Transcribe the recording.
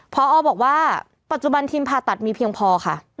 พอบอกว่าปัจจุบันทีมผ่าตัดมีเพียงพอค่ะ